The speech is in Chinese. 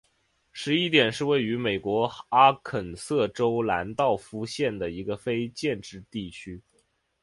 十一点是位于美国阿肯色州兰道夫县的一个非建制地区。